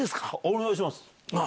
お願いします。